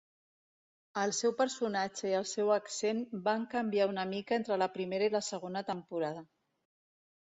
El seu personatge i el seu accent van canviar una mica entre la primera i la segona temporada.